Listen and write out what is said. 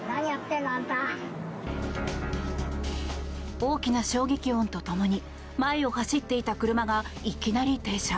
大きな衝撃音と共に前を走っていた車がいきなり停車。